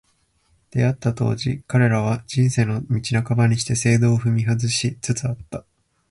出逢った当時、彼らは、「人生の道半ばにして正道を踏み外し」つつあった。